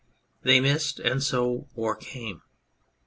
They missed, and so war came.